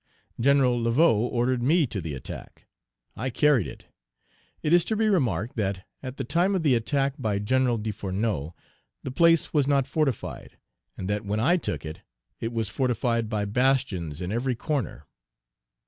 General Laveaux ordered me to the attack; I carried it. It is to be remarked that, at the time of the attack by Gen. Desfourneaux, the place was not fortified, and that when I took it, it was fortified by bastions in every corner.